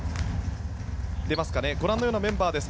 ご覧のようなメンバーです。